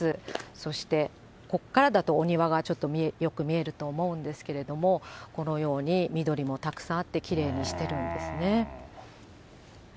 そして、ここからだとお庭がちょっとよく見えると思うんですけれども、このように緑もたくさんあって、きれいにしているんですね。